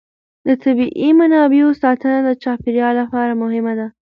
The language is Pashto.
د طبیعي منابعو ساتنه د چاپېر یال لپاره مهمه ده.